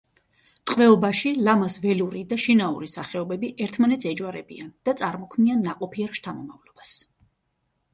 ტყვეობაში ლამას ველური და შინაური სახეობები ერთმანეთს ეჯვარებიან და წარმოქმნიან ნაყოფიერ შთამომავლობას.